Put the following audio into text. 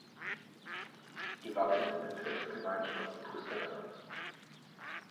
Die Wappen der Bezirksgemeinschaft Pustertal